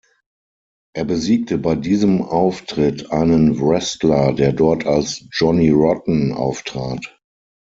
Er besiegte bei diesem Auftritt einen Wrestler, der dort als Johnny Rotten auftrat.